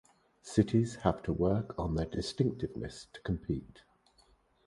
Cities have to work on their distinctiveness to compete.